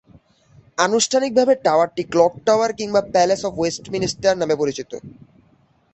আনুষ্ঠানিকভাবে টাওয়ারটি clock tower কিংবা প্যালেস অব ওয়েস্টমিনস্টার নামে পরিচিত।